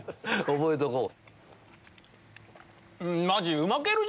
覚えとこう。